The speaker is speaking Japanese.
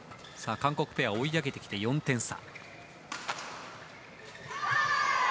韓国ペア追い上げてきて４点差。